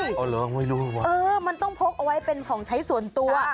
เออมันต้องพกเอาไว้เป็นของใช้ส่วนตัว